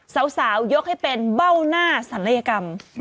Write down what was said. สาวยกให้เป็นเบ้าหน้าศัลยกรรม